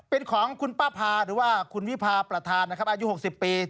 เป็นของคุณป้าพาหรือว่าคุณวิพาประธานนะครับอายุ๖๐ปี